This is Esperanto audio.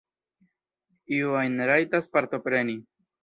Iu ajn rajtas partopreni.